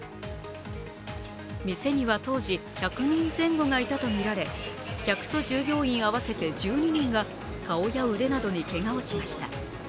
店には当時１００人前後がいたとみられ客と従業員合わせて１２人が顔や腕などにけがをしました。